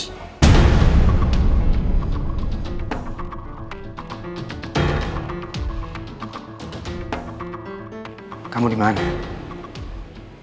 halo kamu dimana jadi gak papa kan